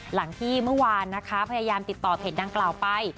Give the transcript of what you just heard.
หลังที่เมื่อวานนะคะพยายามติดต่อเพจดังกล่าวไป